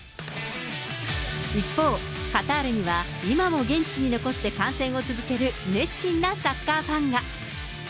一方、カタールには今も現地に残って観戦を続ける熱心なサッカーファンが。